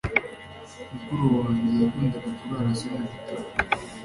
Mukuru wanjye yakundaga kurara asoma ibitabo.